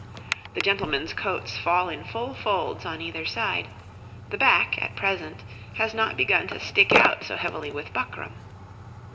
The gentlemen's coats fall in full folds on either side; the back, at present, has not begun to stick out so heavily with buckram.